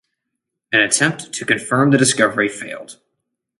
An attempt to confirm the discovery failed.